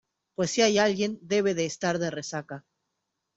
pues si hay alguien, debe de estar de resaca.